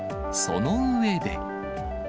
その上で。